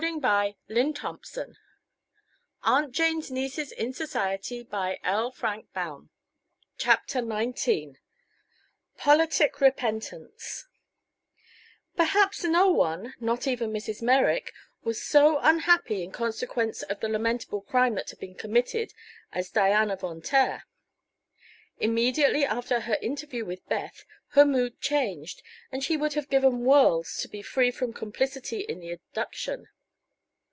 "Never mind the speed limit," he said. "No one will interfere with us. I'm Fogerty." CHAPTER XIX POLITIC REPENTANCE Perhaps no one not even Mrs. Merrick was so unhappy in consequence of the lamentable crime that had been committed as Diana Von Taer. Immediately after her interview with Beth her mood changed, and she would have given worlds to be free from complicity in the abduction.